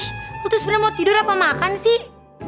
ih lu tuh sebenernya mau tidur apa makan sih